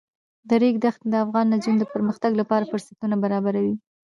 د ریګ دښتې د افغان نجونو د پرمختګ لپاره فرصتونه برابروي.